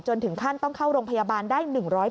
ถึงขั้นต้องเข้าโรงพยาบาลได้๑๐๐